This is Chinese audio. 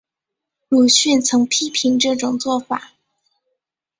鲁迅曾批评这种做法。